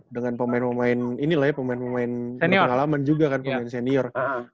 dengan pemain pemain pengalaman juga kan pemain senior